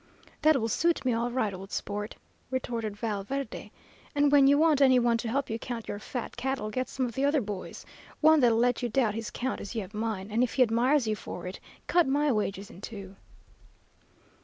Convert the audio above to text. "'That will suit me all right, old sport,' retorted Val Verde; 'and when you want any one to help you count your fat cattle, get some of the other boys one that'll let you doubt his count as you have mine, and if he admires you for it, cut my wages in two.'